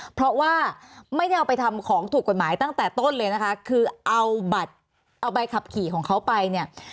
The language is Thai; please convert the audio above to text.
เพราะว่าไม่ได้เอาไปทำของถูกกฎหมายตั้งแต่ต้นเลยนะคะคือเอาบัตรเอาใบขับขี่ของเขาไปเนี่ย